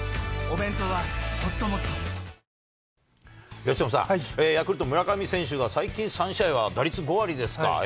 由伸さん、ヤクルト、村上選手が最近３試合は打率５割ですか。